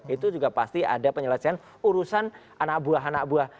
itu juga pasti ada penyelesaian urusan anak buah anak buah